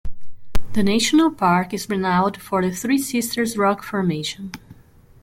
The national park is renowned for the Three Sisters rock formation.